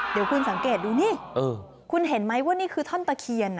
เดี๋ยวคุณสังเกตดูนี่คุณเห็นไหมว่านี่คือท่อนตะเคียน